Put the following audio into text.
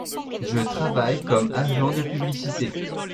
Je travaille comme agent de publicité.